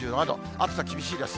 暑さ厳しいです。